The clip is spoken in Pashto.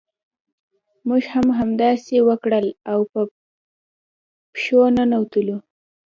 موږ هم همداسې وکړل او په پښو ننوتلو.